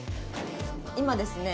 今ですね